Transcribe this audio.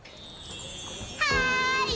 はい！